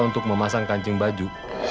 untuk memasang kancing baju